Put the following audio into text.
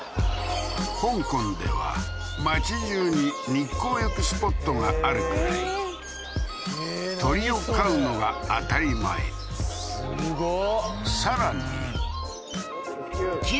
香港では街じゅうに日光浴スポットがあるくらい鳥を飼うのが当たり前すごっ！